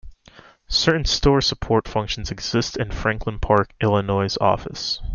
Certain store support functions exist in the Franklin Park, Illinois office.